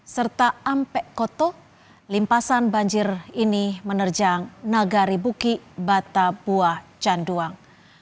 serta ampek koto limpasan banjir ini menerjang nagari buki batabua canduang